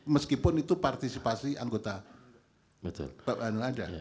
meskipun itu partisipasi anggota bapak anul ada